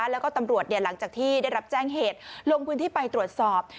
แล้วก็ตำรวจหลังจากที่ได้รับแจ้งเหตุลงพื้นที่ไปตรวจสอบ